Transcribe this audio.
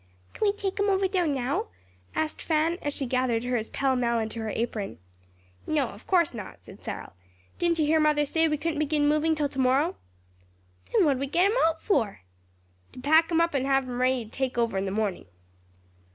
"Can we take 'em over there now?" asked Fan, as she gathered hers pell mell into her apron. "No, of course not," said Cyril. "Didn't you hear mother say we couldn't begin moving till to morrow?" "Then what did we get 'em out for?" "To pack 'em up and have 'em ready to take over in the morning."